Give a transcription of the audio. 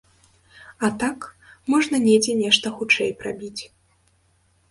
А так, можна недзе нешта хутчэй прабіць.